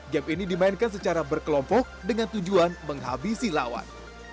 game ini dimainkan secara berkelompok dengan tujuan menghabisi lawan